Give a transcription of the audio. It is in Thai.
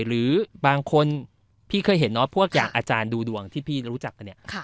หรือบางคนพี่เคยเห็นเนาะพวกอย่างอาจารย์ดูดวงที่พี่รู้จักกันเนี่ย